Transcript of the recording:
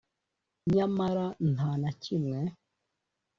nyamara nta na kimwe